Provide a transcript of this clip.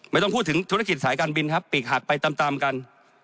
ไม่ต้องพูดถึงธุรกิจสายการบินครับปีกหักไปตามตามกัน